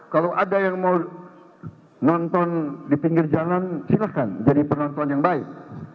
kalau ada yang mau nonton di pinggir jalan silahkan jadi penonton yang baik